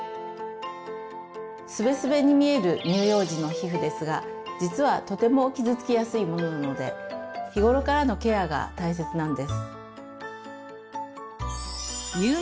スベスベに見える乳幼児の皮膚ですが実はとても傷つきやすいものなので日頃からのケアが大切なんです。